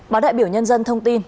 báo đại biểu nhân dân thông tin